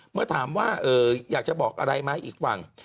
เมื่อถามว่าอยากจะบอกอะไรไหมอีกฝั่ง